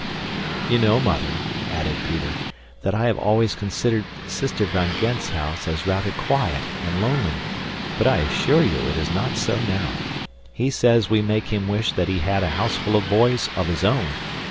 "You know, Mother," added Peter, "that I have always considered Sister van Gend's house as rather quiet and lonely, but I assure you, it is not so now. He says we make him wish that he had a houseful of boys of his own.